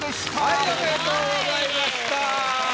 はいおめでとうございました。